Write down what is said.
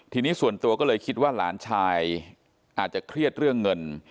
ทีนี้ส่วนตัวก็เลยคิดว่าหลานชายอาจจะเครียดเรื่องเงิน